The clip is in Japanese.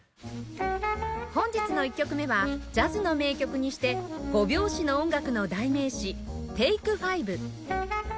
本日の１曲目はジャズの名曲にして５拍子の音楽の代名詞『テイク・ファイヴ』